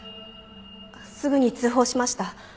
すぐに通報しました。